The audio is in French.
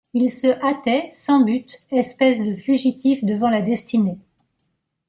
Il se hâtait sans but, espèce de fugitif devant la destinée.